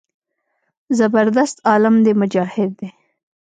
زبردست عالم دى مجاهد دى.